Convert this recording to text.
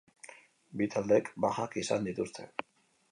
Bi taldeek bajak izan dituzte.